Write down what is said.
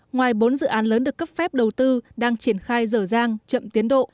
ngoài bốn dự án lớn được cấp phép đầu tư đang triển khai dở dang chậm tiến độ